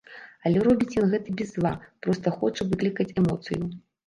Але робіць ён гэта без зла, проста хоча выклікаць эмоцыю.